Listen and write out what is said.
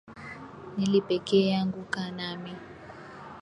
Nili pekee yangu, kaa nami.